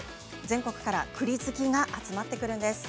全国から栗好きが集まってくるんです。